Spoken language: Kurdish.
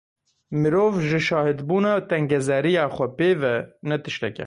Mirov ji şahidbûna tengezariya xwe pê ve, ne tiştek e.